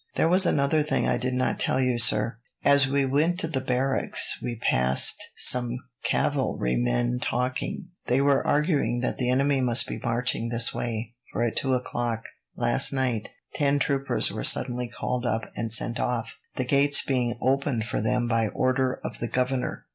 "There was another thing I did not tell you, sir. As we went to the barracks, we passed some cavalry men talking. They were arguing that the enemy must be marching this way, for at two o'clock last night ten troopers were suddenly called up and sent off, the gates being opened for them by order of the governor."